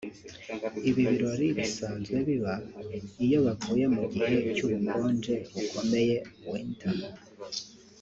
Ibi birori bisanzwe biba iyo bavuye mu gihe cy'ubukonje bukomeye (Winter)